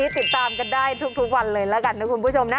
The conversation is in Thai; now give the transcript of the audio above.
ติดตามกันได้ทุกวันเลยแล้วกันนะคุณผู้ชมนะ